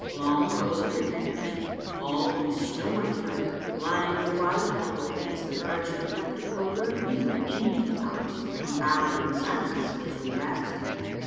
Long rows of retainers, all in snow Avhite fur, lined the wide hallway, as the guards conducted Bulger and me into the palace and bowed in silence as we passed.